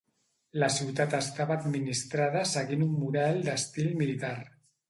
La ciutat estava administrada seguint un model d'estil militar.